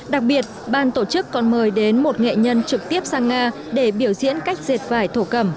đặc biệt ban tổ chức còn mời đến một nghệ nhân trực tiếp sang nga để biểu diễn cách dệt vải thổ cẩm